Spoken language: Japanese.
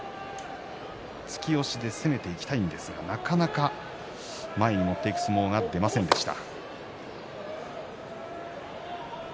突き押しで攻めていきたいんですがなかなか前に持っていく相撲が出ませんでした。